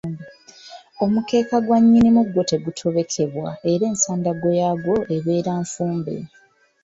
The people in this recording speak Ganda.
Omukeeka gwa nnyinimu gwo tegutobekebwa era ensandaggo yaagwo ebeera nfumbe.